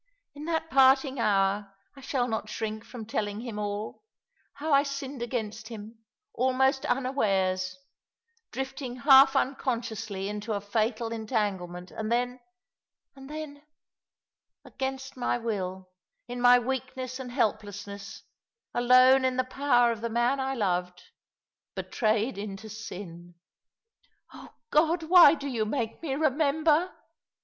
" In that part ing hour I shall not shrink from telling him all — how I sinned ajsainst him — almost unawares — drifting half unconsciously 264 All along the River, into a fatal enianglement — and then— and then— against my will — in my weakness and helplessness — alone in the power of the man I loved — betrayed into sin. Oh God ! why do you make me remember?"